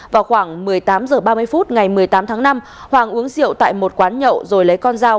vào khoảng một mươi tám h ba mươi phút ngày một mươi tám tháng năm hoàng uống rượu tại một quán nhậu rồi lấy con dao